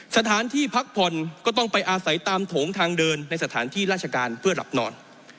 สถานที่พักผ่อนก็ต้องไปอาศัยตามโถงทางเดินในสถานที่ราชการเพื่อหลับนอน